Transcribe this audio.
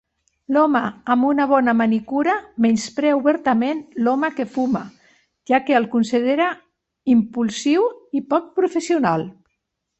L'home amb una bona manicura menysprea obertament l'home que fuma, ja que el considera impulsiu i poc professional.